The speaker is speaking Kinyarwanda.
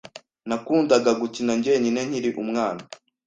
Nakundaga gukina njyenyine nkiri umwana.